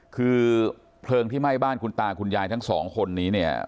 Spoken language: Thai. คือเพลิงที่ไหม้บ้านคุณตาคุณยายทั้งสองคนนี้เนี่ย